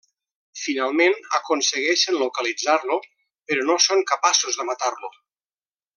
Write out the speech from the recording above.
Finalment aconsegueixen localitzar-lo, però no són capaços de matar-lo.